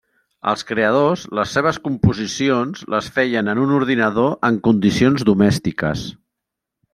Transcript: Els creadors les seves composicions les feien en un ordinador en condicions domèstiques.